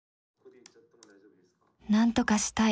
なんとかしたい。